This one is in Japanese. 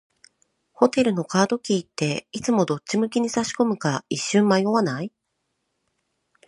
ホテルのカードキーって、いつもどっち向きに差し込むか一瞬迷わない？